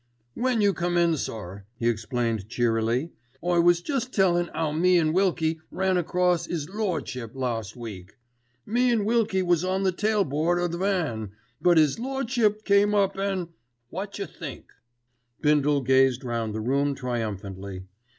"When you come in, sir," he explained cheerily, "I was jest tellin' 'ow me an' Wilkie ran across 'is Lordship last week. Me an' Wilkie was on the tail board o' the van; but 'is Lordship come up an'—wot jer think?" Bindle gazed round the room triumphantly.